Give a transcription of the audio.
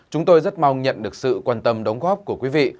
chúng tôi rất mong nhận được sự quan tâm đóng góp của quý vị